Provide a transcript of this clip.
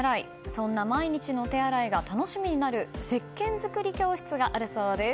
そんな毎日の手洗いが楽しみになるせっけん作り教室があるそうです。